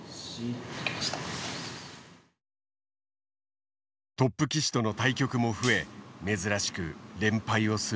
トップ棋士との対局も増え珍しく連敗をすることもあった。